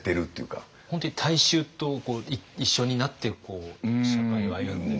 本当に大衆と一緒になって社会を歩んで。